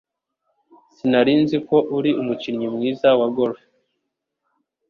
Sinari nzi ko uri umukinnyi mwiza wa golf